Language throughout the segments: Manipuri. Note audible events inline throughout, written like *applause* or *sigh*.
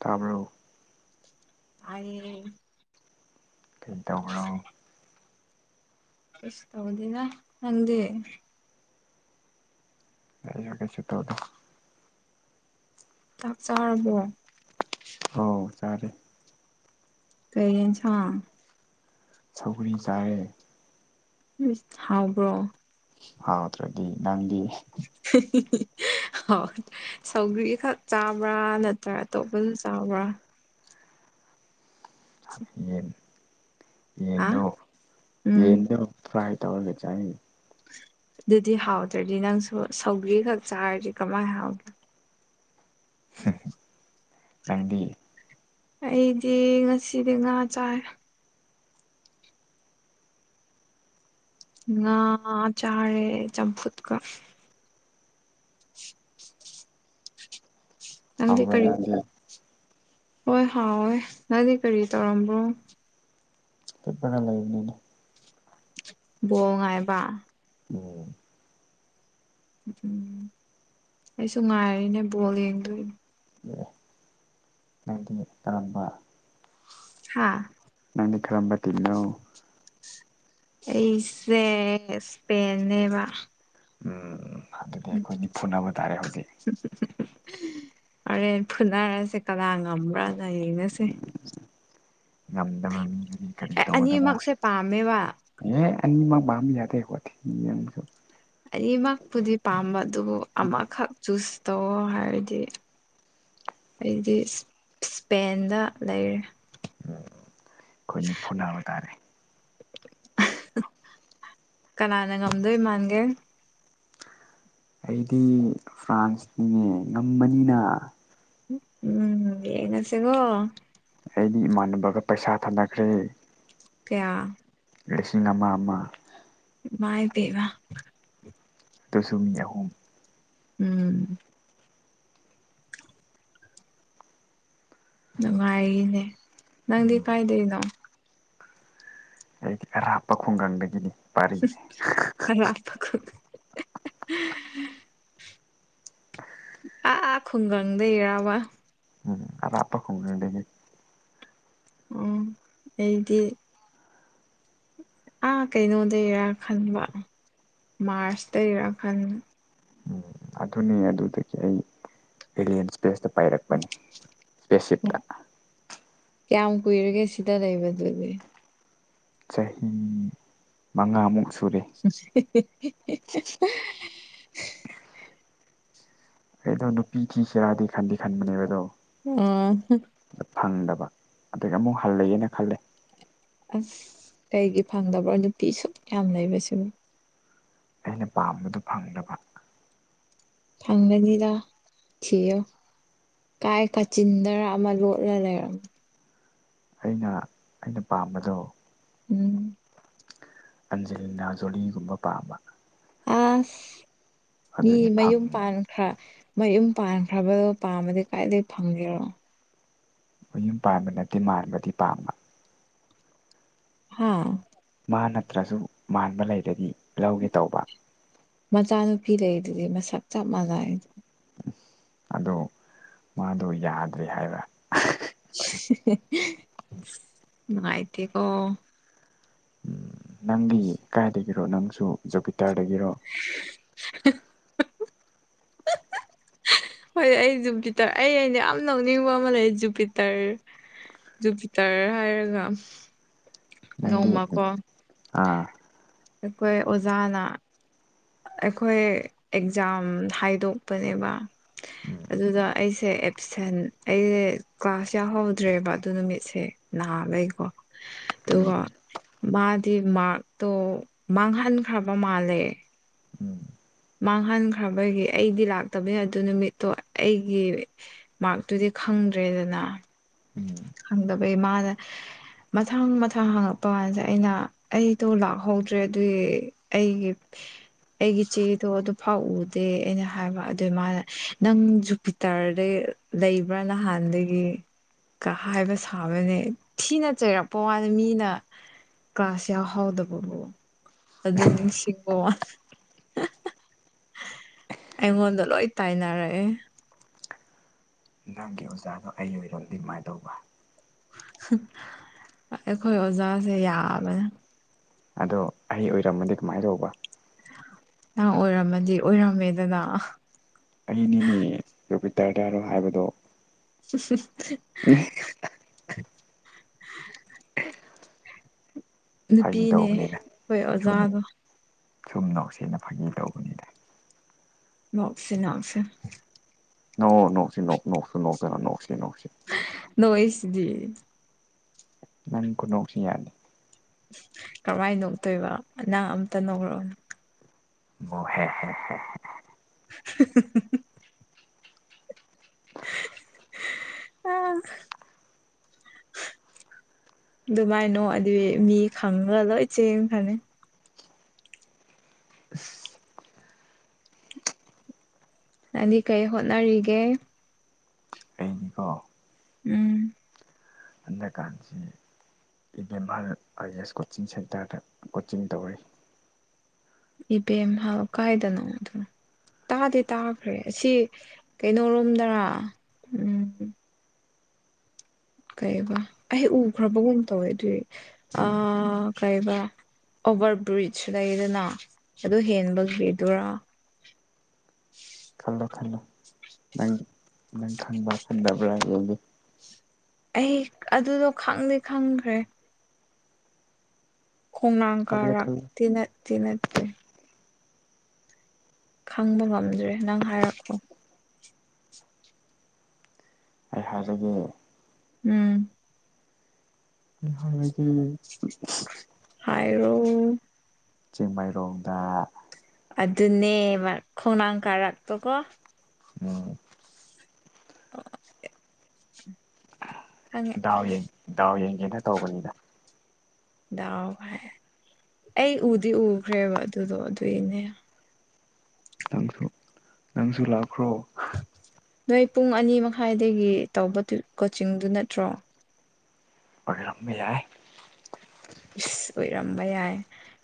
ꯇꯥꯕ꯭ꯔꯣ ꯇꯥꯏꯌꯦ ꯀꯩ ꯗꯧꯕ꯭ꯔꯣ ꯀꯩꯁꯨ ꯇꯧꯗꯦꯅ ꯅꯪꯗꯤ꯫ ꯑꯩꯖꯨ ꯀꯩꯁꯨ ꯇꯧꯗꯦ ꯆꯥꯛ ꯆꯥꯔꯕꯣ ꯑꯥꯎ ꯆꯥꯔꯦ ꯀꯩ ꯌꯦꯟꯁꯥꯡ ꯁꯧꯒ꯭ꯔꯤ ꯆꯥꯌꯦ ꯃꯤꯁ ꯊꯥꯎꯕ꯭ꯔꯣ ꯍꯥꯎꯇ꯭ꯔꯗꯤ ꯅꯪꯗꯤ ꯍꯥꯎ ꯁꯧꯒ꯭ꯔꯤ ꯈꯛ ꯆꯥꯕ꯭ꯔ ꯅꯠꯇ꯭ꯔꯒ ꯑꯇꯣꯞꯄꯖꯨ ꯆꯥꯕ꯭ꯔ *unintelligible* ꯌꯦꯟ ꯍꯥ ꯌꯦꯟꯗꯣ ꯎꯝ ꯌꯦꯟꯗꯣ ꯐ꯭ꯔꯥꯏ ꯇꯧꯔꯒ ꯆꯥꯏꯌꯦ ꯗꯨꯗꯤ ꯍꯥꯎꯇ꯭ꯔꯗꯤ ꯅꯪꯁꯨ ꯁꯧꯒ꯭ꯔꯤ ꯈꯛ ꯆꯥꯔꯗꯤ ꯀꯃꯥꯏ ꯍꯥꯎ ꯅꯪꯗꯤ ꯑꯩꯗꯤ ꯉꯁꯤꯗꯤ ꯉꯥ ꯆꯥꯏ ꯉꯥ ꯆꯥꯔꯦ ꯆꯝꯐꯨꯠꯀ *unintelligible* ꯅꯪꯗꯤ ꯍꯥꯎꯕ꯭ꯔꯥ ꯀꯔꯤ ꯅꯪꯗꯤ ꯍꯣꯏ ꯍꯥꯎꯋꯦ ꯅꯪꯗꯤ ꯀꯔꯤ ꯇꯧꯔꯝꯕꯣ ꯍꯤꯞꯄꯒꯥ ꯂꯩꯔꯤꯅꯤꯗ ꯕꯣꯜ ꯉꯥꯏꯕ ꯑꯣ ꯎꯝ ꯑꯩꯁꯨ ꯉꯥꯏꯔꯤꯅꯦ ꯕꯣꯜ ꯌꯦꯡꯗꯣꯏꯅꯤ ꯑꯣ ꯅꯪꯗꯤ ꯇꯥꯡꯕ ꯍꯥꯥ ꯅꯪꯗꯤ ꯈꯔꯝꯕ ꯇꯤꯟꯅꯣ ꯑꯩꯁꯦ ꯁ꯭ꯄꯦꯟꯅꯦꯕ ꯎꯝ ꯑꯗꯨꯗꯤ ꯑꯩꯈꯣꯏꯅꯤ ꯐꯨꯅꯕ ꯇꯥꯔꯦ ꯍꯧꯖꯤꯛ ꯍꯣꯔꯦꯟ ꯐꯨꯅꯔꯁꯦ ꯀꯅꯥ ꯉꯝꯕ꯭ꯔꯥꯅ ꯌꯦꯡꯅꯁꯦ ꯉꯝꯗꯕ ꯃꯤꯗꯨꯗꯤ ꯀꯔꯤ ꯑꯦ ꯇꯧꯒꯗꯕ ꯑꯅꯤꯃꯛꯁꯦ ꯄꯥꯝꯃꯦꯕ ꯌꯦ ꯑꯅꯤꯃꯛ ꯃꯥꯝ ꯌꯥꯗꯦ ꯑꯈꯣꯢꯗꯤ ꯌꯦꯡꯕꯁꯨ ꯑꯌꯤꯃꯛꯄꯨꯗꯤ ꯄꯥꯝꯕ ꯗꯨꯕꯨ ꯑꯃꯈꯛ ꯆꯨꯁ ꯇꯧꯑꯣ ꯍꯥꯏꯔꯗꯤ ꯑꯩꯗꯤ ꯏꯁꯞ ꯏꯁꯄꯦꯟꯗ ꯂꯩꯔꯦ ꯎꯝ ꯑꯈꯣꯏꯅꯤ ꯐꯨꯅꯕ ꯇꯥꯔꯦ ꯀꯅꯥꯅ ꯉꯝꯗꯣꯏ ꯃꯥꯟꯒꯦ ꯑꯩꯗꯤ ꯈ꯭ꯔꯥꯡꯁꯅꯤꯅꯦ ꯉꯝꯃꯅꯤꯅ ꯎ ꯎꯝ ꯌꯦꯡꯉꯁꯦꯒꯣ ꯑꯩꯗꯤ ꯏꯃꯥꯟꯅꯕꯒ ꯄꯩꯁꯥ ꯊꯥꯅꯈ꯭ꯔꯦ ꯀꯌꯥ ꯂꯤꯁꯤꯡ ꯑꯃ ꯑꯃ ꯏꯃꯥꯢ ꯄꯦꯝꯃ ꯇꯁꯨ ꯃꯤ ꯑꯍꯨꯝ ꯎꯝ ꯅꯨꯉꯥꯏꯔꯤꯅꯦ ꯅꯪꯗꯤ ꯀꯥꯏꯗꯩꯅꯣ ꯑꯩꯗꯤ ꯑꯔꯥꯞꯄ ꯈꯨꯡꯒꯪꯗꯒꯤꯅꯤ ꯄꯥꯔꯤ ꯑꯔꯥꯞꯄ ꯈꯨꯡꯒꯪ ꯑꯥꯥ ꯈꯨꯡꯒꯪꯗꯩꯔꯕ ꯎꯝ ꯑꯔꯥꯞꯄ ꯈꯨꯡꯒꯪꯗꯒꯤ ꯎꯝ ꯑꯩꯗꯤ ꯑꯥ ꯀꯩꯅꯣꯗꯩꯔꯥ ꯈꯟꯕ ꯃꯥꯔꯁ ꯇꯩꯔꯥ ꯈꯟ ꯑꯗꯨꯅꯦ ꯑꯗꯨꯗꯒꯤ ꯑꯩ ꯑꯦꯂꯦꯟ ꯁ꯭ꯄꯦꯁꯇ ꯄꯥꯏꯔꯛꯄꯅꯤ ꯁ꯭ꯄꯦꯁꯁꯤꯞꯇ ꯀꯌꯥꯝ ꯀꯨꯏꯔꯒꯦ ꯁꯤꯗ ꯂꯩꯕ ꯑꯗꯨꯗꯤ ꯆꯍꯤ ꯃꯉꯥꯃꯨꯛ ꯁꯨꯔꯦ *unintelligible* ꯑꯩꯗꯣ ꯅꯨꯄꯤ ꯊꯤꯁꯤꯔꯗꯤ ꯈꯟꯗꯤ ꯈꯟꯕꯅꯦꯕ ꯑꯗꯣ ꯑꯣ ꯑꯠ ꯐꯪꯗꯕ ꯑꯗꯒꯤ ꯑꯃꯨꯛ ꯍꯜꯂꯒꯦꯅ ꯈꯜꯂꯦ ꯑꯁ ꯀꯩꯒꯤ ꯐꯪꯗꯕ꯭ꯔꯣ ꯅꯨꯄꯤ ꯁꯨꯛ ꯌꯥꯝ ꯂꯩꯕꯁꯤꯕꯨ ꯑꯩꯅ ꯄꯥꯝꯕꯗꯨ ꯐꯪꯗꯕ ꯐꯪꯒꯅꯤꯗ ꯊꯤꯌꯣ ꯀꯥꯏ ꯀꯥꯆꯤꯟꯗꯔ ꯑꯃ ꯂꯣꯠꯂ ꯂꯩꯔꯝ ꯑꯩꯅ ꯑꯩꯅ ꯄꯥꯝꯕꯗꯣ ꯎꯝ ꯑꯟꯖꯦꯂꯤꯅꯥ ꯖꯣꯂꯤꯒꯨꯝꯕ ꯄꯥꯝꯕ ꯑꯥꯁ ꯃꯤ ꯑꯗꯨꯅꯤ ꯐꯪ ꯃꯌꯨꯝ ꯄꯥꯟꯈ꯭ꯔ ꯃꯌꯨꯝ ꯄꯥꯟꯈ꯭ꯔꯕꯗꯣ ꯄꯥꯝꯃꯗꯤ ꯀꯥꯏꯗꯩ ꯐꯪꯒꯦꯔꯣ ꯃꯌꯨꯝ ꯄꯥꯟꯕ ꯅꯠꯇꯦ ꯃꯥꯟꯕꯗꯤ ꯄꯥꯝꯕ ꯍꯥꯥ ꯃꯥ ꯅꯠꯇ꯭ꯔꯖꯨ ꯃꯥꯟꯕ ꯂꯩꯔꯗꯤ ꯂꯧꯒꯦ ꯇꯧꯕ ꯃꯆꯥꯅꯨꯄꯤ ꯂꯩꯔꯤꯗꯨꯗꯤ ꯃꯁꯛ ꯆꯞ ꯃꯥꯟꯅꯩꯌꯦ ꯎꯝ ꯑꯗꯣ ꯃꯥꯗꯣ ꯌꯥꯗ꯭ꯔꯦ ꯍꯥꯏꯕ ꯅꯨꯡꯉꯥꯏꯇꯦꯀꯣ ꯎꯝ ꯅꯪꯗꯤ ꯀꯥꯏꯗꯒꯤꯔꯣ ꯅꯪꯁꯨ ꯖꯨꯄꯤꯇꯔꯗꯒꯤꯔꯣ *unintelligible* ꯍꯣꯏ ꯑꯩ ꯖꯨꯄꯤꯇꯔ ꯑꯩ ꯑꯩꯅ ꯌꯥꯝ ꯅꯣꯛꯅꯤꯡꯕ ꯑꯃ ꯂꯩꯌꯦ ꯖꯨꯄꯤꯇꯔ ꯖꯨꯄꯤꯇꯔ ꯍꯥꯏꯔꯒ ꯅꯪꯗꯤ ꯅꯣꯡꯃꯀꯣ ꯑꯥ ꯑꯩꯈꯣꯏ ꯑꯣꯖꯥꯅ ꯑꯩꯈꯣꯏ ꯑꯦꯛꯖꯥꯝ ꯍꯥꯏꯗꯣꯛꯄꯅꯦꯕ ꯎꯝ ꯑꯗꯨꯗ ꯑꯩꯁꯦ ꯑꯦꯞꯁꯦꯟ ꯑꯩꯖꯦ ꯀ꯭ꯂꯥꯁ ꯌꯥꯎꯍꯧꯗ꯭ꯔꯦꯕ ꯑꯗꯨ ꯅꯨꯃꯤꯠꯁꯦ ꯅꯥꯕꯩꯀꯣ ꯎꯝ ꯑꯗꯨꯒ ꯃꯥꯗꯤ ꯃꯥ‍꯭ꯔꯛꯇꯣ ꯃꯥꯡꯍꯟꯈ꯭ꯔꯕ ꯃꯥꯜꯂꯦ ꯎꯝ ꯃꯥꯡꯍꯟꯈ꯭ꯔꯕꯒꯤ ꯑꯩꯗꯤ ꯂꯥꯛꯇꯕꯅꯤꯅ ꯑꯗꯨ ꯅꯨꯃꯤꯠꯇꯣ ꯑꯩꯒꯤ ꯃꯥ꯭ꯔꯛꯇꯨꯗꯤ ꯈꯪꯗ꯭ꯔꯦꯗꯅꯥ ꯎꯝ ꯈꯪꯗꯕꯩ ꯃꯥꯅ ꯃꯊꯪ ꯃꯊꯪ ꯍꯪꯉꯛꯄ ꯀꯥꯟꯖꯤꯗ ꯑꯩꯅ ꯑꯩꯗꯣ ꯂꯥꯛꯍꯧꯗ꯭ꯔꯦ ꯑꯗꯨꯏ ꯑꯩꯒꯤ ꯑꯩꯒꯤ ꯆꯦꯗꯣ ꯑꯗꯨꯐꯥꯎ ꯎꯗꯦ ꯑꯩꯅ ꯍꯥꯏꯕ ꯑꯗꯨꯏ ꯃꯥꯅ ꯅꯪ ꯖꯨꯄꯤꯇꯔꯗꯩ ꯂꯩꯕ꯭ꯔ ꯅꯍꯥꯟꯗꯒꯤ ꯀ ꯍꯥꯏꯕ ꯁꯥꯎꯋꯦꯅꯦ ꯊꯤꯅ ꯆꯩꯔꯛꯄ ꯋꯥꯅꯤ ꯃꯤꯅ ꯀ꯭ꯂꯥꯁ ꯌꯥꯎꯍꯧꯗꯕꯕꯨ ꯑꯗꯨ ꯅꯤꯡꯁꯤꯡꯕ ꯋꯥꯟ *unintelligible* ꯑꯩꯉꯣꯟꯗ ꯂꯣꯏ ꯇꯥꯏꯅꯔꯛꯑꯦ ꯅꯪꯒꯤ ꯑꯣꯖꯥꯗꯣ ꯑꯩ ꯑꯣꯏꯔꯗꯤ ꯀꯃꯥꯏ ꯇꯧꯕ *unintelligible* ꯑꯩꯈꯣꯏ ꯑꯣꯖꯥꯖꯦ ꯌꯥꯕꯅꯦ ꯑꯗꯣ ꯑꯩ ꯑꯣꯏꯔꯝꯃꯗꯤ ꯀꯃꯥꯏ ꯇꯧꯕ ꯅꯪ ꯑꯣꯏꯔꯝꯃꯗꯤ ꯑꯣꯏꯔꯝꯃꯦꯗꯅꯥ ꯑꯩꯅꯤꯅꯦ ꯌꯨꯄꯤꯇꯔꯗꯔꯣ ꯍꯥꯏꯕꯗꯣ *unintelligible* ꯐꯥꯒꯤ ꯅꯨꯄꯤꯅꯦ ꯇꯧꯕꯅꯤꯗ ꯑꯩꯈꯣꯏ ꯁꯨꯝ ꯑꯣꯖꯥꯗꯣ ꯁꯨꯝ ꯅꯣꯛꯁꯤꯅ ꯐꯥꯒꯤ ꯇꯧꯕꯅꯤꯗ ꯅꯣꯛꯁꯤ ꯅꯣꯛꯁꯤ ꯅꯣꯛꯑꯣ ꯅꯣꯛꯁꯤ ꯅꯣꯛ ꯅꯣꯛꯁꯨ ꯅꯣꯛꯇꯅ ꯅꯣꯛꯁꯤ ꯅꯣꯛꯁꯤ ꯅꯣꯛꯏꯁꯤꯗꯤ ꯅꯪ ꯈꯨꯅꯣꯛꯁꯤ ꯌꯥꯗꯦ ꯀꯃꯥꯏ ꯅꯣꯛꯇꯣꯏꯕ ꯅꯪ ꯑꯝꯇ ꯅꯣꯛꯔꯛꯎꯅꯦ *unintelligible* *unintelligible* *inaudible* ꯑꯗꯨꯃꯥꯏꯅ ꯅꯣꯛꯑꯗꯤ ꯃꯤ ꯈꯪꯉꯒ ꯂꯣꯏ ꯆꯦꯟꯈ꯭ꯔꯅꯤ ꯏꯁ ꯅꯪꯗꯤ ꯀꯩ ꯍꯣꯠꯅꯔꯤꯒꯦ ꯑꯩꯅꯤꯀꯣ ꯎꯝ ꯍꯟꯗꯛꯀꯥ *unintelligible* ꯏꯕꯦꯝꯍꯜ ꯑꯥꯏ ꯑꯦꯁ ꯀꯣꯆꯤꯡ ꯁꯦꯟꯇꯔꯗ ꯀꯣꯆꯤꯡ ꯇꯧꯔꯤ ꯏꯕꯦꯝꯍꯜ ꯀꯥꯏꯗꯅꯣ ꯑꯗꯨ ꯇꯥꯗꯤ ꯇꯥꯈ꯭ꯔꯦ ꯑꯁꯤ ꯀꯩꯅꯣꯔꯣꯝꯗꯔ ꯎꯝ ꯀꯩꯕ ꯑꯩ ꯎꯈ꯭ꯔꯕꯒꯨꯝ ꯇꯧꯋꯦ ꯑꯗꯨꯏ ꯑ ꯎꯝ ꯀꯩꯕ ꯑꯣꯚꯔ ꯕ꯭ꯔꯤꯖ ꯂꯩꯗꯅ ꯑꯗꯨ ꯍꯦꯟꯕꯒꯤꯗꯨꯔꯥ ꯈꯜꯂꯣ ꯈꯜꯂꯣ ꯅꯪ ꯅꯪ ꯈꯪꯕ꯭ꯔꯥ ꯈꯪꯗꯕ꯭ꯔꯥ ꯌꯦꯡꯒꯦ ꯑꯩ ꯑꯗꯨꯗꯣ ꯈꯪꯗꯤ ꯈꯪꯈ꯭ꯔꯦ ꯈꯣꯡꯅꯥꯡ ꯈꯜꯂꯣ ꯈꯜꯂꯣ ꯀꯥꯔꯛꯇꯤ ꯅꯠꯇꯤ ꯅꯠꯇꯦ ꯈꯪꯕ ꯉꯝꯗ꯭ꯔꯦ ꯅꯪ ꯍꯥꯏꯔꯛꯑꯣ ꯑꯩ ꯍꯥꯏꯔꯒꯦ ꯎꯝ ꯑꯩ ꯍꯥꯏꯔꯒꯦ ꯍꯥꯏꯔꯣ ꯆꯤꯡꯃꯩꯔꯣꯡꯗ ꯑꯗꯨꯅꯦꯕ ꯈꯣꯡꯅꯥꯡ ꯀꯥꯔꯛꯇꯣꯀꯣ *unintelligible* *inaudible* ꯗꯥꯎ ꯌꯦꯡ ꯗꯥꯎ ꯌꯦꯡꯒꯦꯅ ꯇꯧꯕꯅꯤꯗ ꯗꯥꯎ ꯍꯥꯏ ꯑꯩ ꯎꯗꯤ ꯎꯈ꯭ꯔꯦꯕ ꯑꯗꯨꯗꯣ ꯑꯗꯨꯏꯅꯦ ꯅꯪꯁꯨ ꯅꯪꯁꯨ ꯂꯥꯛꯈ꯭ꯔꯣ ꯅꯣꯏ ꯄꯨꯡ ꯑꯅꯤ ꯃꯈꯥꯏꯗꯒꯤ ꯇꯧꯕ ꯇꯨ ꯀꯣꯆꯤꯡꯗꯨ ꯅꯠꯇ꯭ꯔꯣ ꯑꯣꯏꯔꯝꯕ ꯌꯥꯏ ꯏꯁ ꯑꯣꯏꯔꯝꯕ ꯌꯥꯏ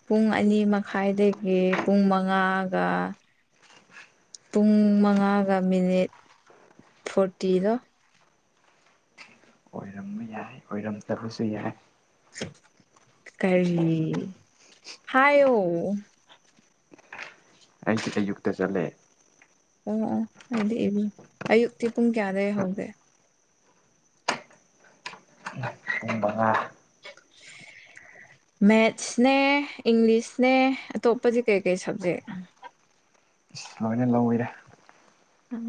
ꯄꯨꯡ ꯑꯅꯤ ꯃꯈꯥꯏꯗꯒꯤ ꯄꯨꯡ ꯃꯉꯥꯒ ꯄꯨꯡ ꯃꯉꯥꯒ ꯃꯤꯅꯤꯠ ꯐꯣꯔꯇꯤꯗꯣ ꯑꯣꯏꯔꯝꯕ ꯌꯥꯏ ꯑꯣꯏꯔꯝꯇꯕꯁꯨ ꯌꯥꯏ ꯀꯔꯤ ꯍꯥꯏꯌꯣ ꯑꯩꯗꯤ ꯑꯌꯨꯛꯇ ꯆꯠꯂꯦ ꯑꯣ ꯑꯣ ꯑꯩꯗꯤ ꯏꯕꯨꯡ ꯑꯌꯨꯛꯇꯤ ꯄꯨꯡ ꯀꯌꯥꯗꯩ ꯍꯧꯒꯦ ꯄꯨꯡ ꯃꯉꯥ ꯃꯦꯠꯁꯅꯦ ꯏꯪꯂꯤꯁꯅꯦ ꯑꯇꯣꯞꯄꯖꯤ ꯀꯩ ꯀꯩ ꯁꯕꯖꯦꯛ ꯂꯣꯏꯅ ꯂꯧꯋꯤꯗ ꯎꯝ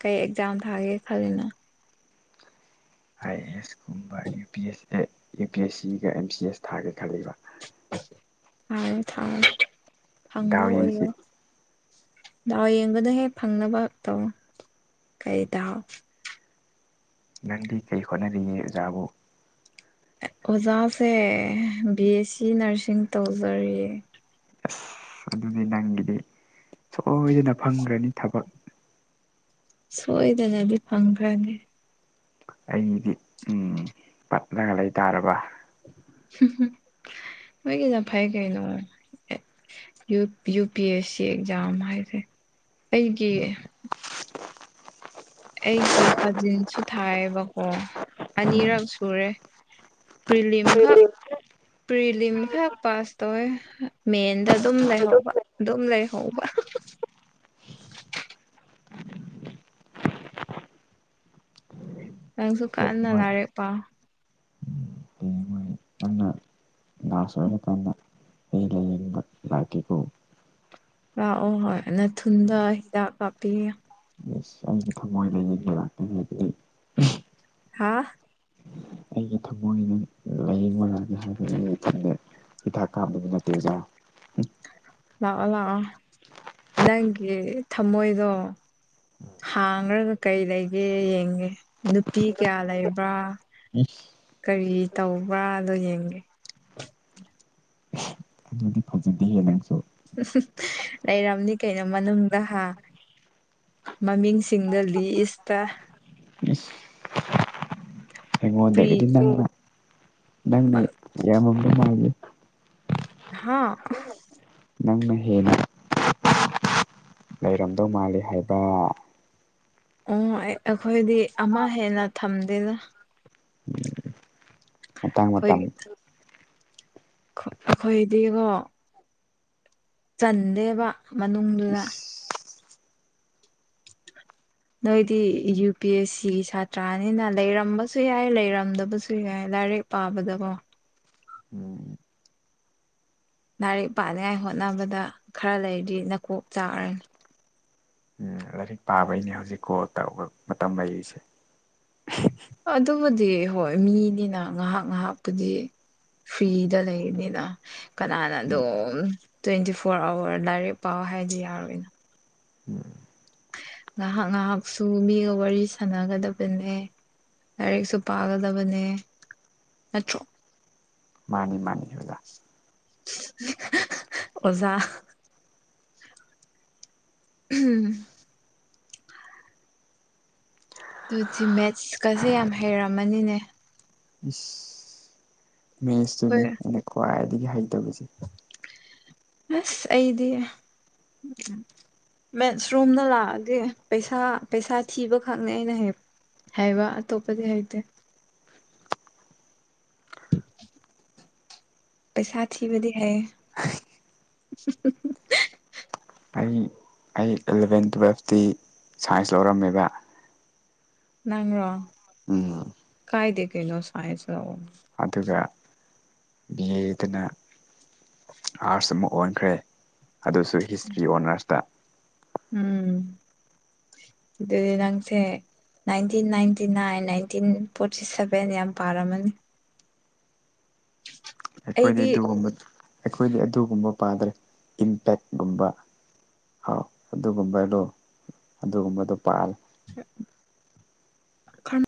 ꯀꯩ ꯑꯦꯛꯖꯥꯝ ꯊꯥꯒꯦ ꯈꯜꯂꯤꯅꯣ ꯑꯥꯏ ꯑꯦ ꯑꯦꯁ ꯀꯨꯝꯕ ꯌꯨ ꯄꯤ ꯑꯦꯁ ꯑꯦ ꯌꯨ ꯄꯤ ꯑꯦꯁ ꯁꯤꯒ ꯑꯦꯝ ꯁꯤ ꯑꯦꯁ ꯊꯥꯒꯦ ꯈꯜꯂꯤꯕ ꯊꯥꯔꯣ ꯊꯥꯔꯣ ꯐꯪꯕ ꯗꯥꯎ ꯌꯦꯡꯁꯤ ꯑꯣꯏꯔꯣ ꯗꯥꯎ ꯌꯦꯡꯒꯅꯣꯍꯦ ꯐꯪꯅꯕ ꯇꯧꯋꯣ ꯀꯩ ꯗꯥꯎ ꯅꯪꯗꯤ ꯀꯩ ꯍꯣꯠꯅꯔꯤꯒꯦ ꯑꯣꯖꯥꯕꯨ ꯑꯣꯖꯥꯁꯦ ꯕꯤ ꯑꯦꯁ ꯁꯤ ꯅꯔꯁꯤꯡ ꯇꯧꯖꯔꯤꯌꯦ ꯑꯗꯨꯅꯤ ꯅꯪꯒꯤꯗꯤ ꯁꯣꯏꯗꯅ ꯐꯪꯒ‍꯭ꯔꯅꯤ ꯊꯕꯛ ꯁꯣꯏꯗꯅꯗꯤ ꯐꯪꯈ꯭ꯔꯅꯤ ꯑꯩꯒꯤꯗꯤ ꯎꯝ ꯄꯠꯂꯒ ꯂꯩ ꯇꯥꯔꯕꯥ ꯅꯣꯏꯒꯤꯅ ꯐꯩ ꯀꯩꯅꯣ U U P S C exam ꯍꯥꯏꯁꯦ ꯑꯩꯒꯤ ꯑꯩꯒꯤ ꯀꯖꯤꯟꯁꯨ ꯊꯥꯏꯕꯀꯣ ꯎꯝ ꯑꯅꯤꯔꯛ ꯁꯨꯔꯦ ꯄ꯭ꯔꯤꯂꯤꯝ ꯈꯛ ꯄ꯭ꯔꯤꯂꯤꯝ ꯈꯛ ꯄꯥꯁ ꯇꯣꯋꯦ ꯃꯦꯟꯗ ꯑꯗꯨꯝ ꯂꯩꯍꯧꯕ ꯗꯨꯝ ꯂꯩꯍꯧꯕ ꯑꯍ ꯍ ꯅꯪꯖꯨ ꯀꯟꯅ ꯍꯌꯦꯡꯋꯥꯏ ꯂꯥꯏꯔꯤꯛ ꯄꯥꯎ ꯄꯨꯡꯉꯗꯤ *unintelligible* ꯅꯪꯅ ꯅꯥꯁ ꯑꯣꯏꯔ ꯃꯇꯝꯗ ꯑꯩ ꯂꯌꯦꯡꯕ ꯂꯥꯛꯀꯦꯀꯣ ꯂꯥꯛꯑꯣ ꯍꯣꯏ ꯅꯊꯨꯟꯗ ꯍꯤꯗꯥꯛ ꯀꯥꯞꯄꯤꯒꯦ ꯏꯁ ꯑꯩꯒꯤ ꯊꯃꯣꯏ ꯂꯌꯦꯡ ꯂꯥꯛꯄꯒꯤꯗꯤ ꯍꯥꯥ ꯑꯩꯒꯤ ꯊꯃꯣꯏꯅꯦ ꯂꯥꯏꯌꯦꯡꯕ ꯂꯥꯛꯒꯦ ꯍꯥꯏꯕꯅꯦ ꯊꯨꯟꯗ ꯍꯤꯗꯥꯛ ꯀꯥꯞꯅꯕ ꯅꯠꯇꯦ ꯑꯣꯖꯥ ꯂꯥꯛꯑꯣ ꯂꯥꯛꯑꯣ ꯅꯪꯒꯤ ꯊꯝꯃꯣꯏꯗꯣ ꯍꯥꯡꯔꯒ ꯀꯩ ꯂꯩꯒꯦ ꯌꯦꯡꯒꯦ ꯅꯨꯄꯤ ꯀꯌꯥ ꯂꯩꯕ꯭ꯔꯥ ꯏꯁ ꯀꯔꯤ ꯇꯧꯕ꯭ꯔꯥꯗꯣ ꯌꯦꯡꯒꯦ ꯑꯗꯨꯗꯤ ꯐ ꯗꯤꯌꯦ ꯅꯪꯁꯨ ꯂꯩꯔꯝꯅꯤ ꯀꯩꯅꯣ ꯃꯅꯨꯡꯗ ꯍꯥ ꯃꯃꯤꯡꯁꯤꯡꯗꯣ ꯂꯤꯏꯁꯇ ꯄ꯭ꯔꯤ ꯑꯩꯉꯣꯟꯗꯒꯤꯗꯤ ꯅꯪꯅ ꯅꯪꯅ ꯌꯥꯝꯃꯝꯗꯧ ꯃꯥꯜꯂꯤꯗ ꯍꯥꯥ ꯅꯪꯅ ꯍꯦꯟꯅ ꯂꯩꯔꯝꯗꯧ ꯃꯥꯜꯂꯤ ꯍꯥꯏꯕꯥ ꯎꯝ ꯑꯩ ꯑꯈꯣꯏꯗꯤ ꯑꯃ ꯍꯦꯟꯅ ꯊꯝꯗꯦꯗ ꯃꯇꯥꯡ ꯃꯇꯝꯒꯤ ꯈ ꯑꯈꯣꯏꯗꯤꯉꯣ ꯆꯟꯗꯦꯕ ꯃꯅꯨꯡꯗꯨꯗ ꯏꯁ *inaudible* ꯅꯣꯏꯗꯤ ꯌꯨ ꯄꯤ ꯑꯦꯁ ꯁꯤꯒꯤ ꯁꯥꯇ꯭ꯔꯥꯅꯤꯅ ꯂꯩꯔꯝꯕꯁꯨ ꯌꯥꯏ ꯂꯩꯔꯝꯗꯕꯖꯨ ꯌꯥꯏ ꯂꯥꯏꯔꯤꯛ ꯄꯥꯕꯗꯀꯣ ꯎꯝ ꯂꯥꯏꯔꯤꯛ ꯄꯥꯅꯉꯥꯏ ꯍꯣꯠꯅꯕꯗ ꯈꯔ ꯂꯩꯔꯗꯤ ꯅꯀꯣꯛ ꯆꯥꯛꯑꯔꯅꯤ ꯎꯝ ꯂꯥꯏꯔꯤꯛ ꯄꯥꯕꯩꯅꯦ ꯍꯧꯖꯤꯛ ꯀꯣꯜ ꯇꯧꯕ ꯃꯇꯝ ꯂꯩꯔꯤꯁꯦ ꯑꯗꯨꯕꯨꯗꯤ ꯍꯣꯏ ꯃꯤꯅꯤꯅ ꯉꯍꯥꯛ ꯉꯍꯥꯛꯄꯨꯗꯤ ꯐ꯭ꯔꯤꯗ ꯂꯩꯑꯅꯤꯅ ꯀꯅꯥꯅ ꯗꯨꯝ ꯇ꯭ꯋꯦꯟꯇꯤ ꯐꯣꯔ ꯑꯋꯥꯔ ꯂꯥꯏꯔꯤꯛ ꯄꯥꯎ ꯍꯥꯏꯗꯤ ꯌꯥꯔꯣꯏꯅ ꯎꯝ ꯉꯍꯥꯛ ꯉꯍꯥꯛꯁꯨ ꯃꯤꯒ ꯋꯥꯔꯤ ꯁꯥꯟꯅꯒꯗꯕꯅꯦ ꯂꯥꯏꯔꯤꯛꯁꯨ ꯄꯥꯒꯗꯕꯅꯦ ꯅꯠꯇ꯭ꯔꯣ ꯃꯥꯟꯅꯤ ꯃꯥꯟꯅꯤ ꯑꯣꯖꯥ ꯍ ꯍ ꯍ ꯑꯣꯖꯥ ꯎꯍꯝ ꯗꯨꯗꯤ ꯃꯦꯠꯁꯀꯁꯦ ꯌꯥꯝ ꯍꯩꯔꯝꯃꯅꯤꯅꯦ ꯏꯁ ꯃꯦꯁꯇꯨꯅꯤ ꯑꯩꯈꯣꯏ ꯑꯩꯅ ꯈ꯭ꯋꯥꯏꯗꯒꯤ ꯍꯩꯇꯕꯖꯦ ꯑꯁ ꯑꯩꯗꯤ ꯃꯦꯠꯁ ꯔꯣꯝꯗ ꯂꯥꯛꯑꯗꯤ ꯄꯩꯁꯥ ꯄꯩꯁꯥ ꯊꯤꯕ ꯈꯛꯅꯦ ꯑꯩꯅ ꯍꯩ ꯍꯩꯕ ꯑꯇꯣꯞꯄꯗꯤ ꯍꯩꯇꯦ *inaudible* ꯄꯩꯁꯥ ꯊꯤꯕꯗꯤ ꯍꯩ ꯎ ꯍ ꯍ ꯑꯩ ꯑꯩ ꯑꯦꯂꯚꯦꯟ ꯇꯨꯋꯦꯜꯐꯇꯤ ꯁꯥꯏꯟꯁ ꯂꯧꯔꯝꯃꯦꯕ ꯅꯪꯔꯣ ꯎꯝ ꯀꯥꯏꯗꯦ ꯀꯩꯅꯣ ꯁꯥꯏꯟꯁ ꯂꯧ ꯑꯗꯨꯒ ꯕꯤꯌꯦꯗꯅ ꯑꯥꯔꯠꯁ ꯑꯃ ꯑꯣꯟꯈ꯭ꯔꯦ ꯑꯗꯨꯁꯨ ꯍꯤꯁꯇ꯭ꯔꯤ ꯑꯣꯅꯔꯁꯇ ꯎꯝ ꯑꯗꯨꯗꯤ ꯅꯪꯁꯦ nineteen ninety nine nineteen forty seven ꯌꯥꯝ ꯄꯥꯔꯝꯃꯅꯤ ꯑꯩꯈꯣꯏꯗꯤ ꯑꯩꯗꯤ ꯑꯗꯨꯒꯨꯝꯕ ꯑꯩꯈꯣꯏꯗꯤ ꯑꯗꯨꯒꯨꯝꯕ ꯄꯥꯗ꯭ꯔꯦ ꯏꯝꯄꯦꯛꯀꯨꯝꯕ ꯍꯥꯎ ꯑꯗꯨꯒꯨꯝꯕꯔꯣ ꯑꯗꯨꯒꯨꯝꯕꯗꯣ ꯄꯥꯔꯦ ꯈ *inaudible*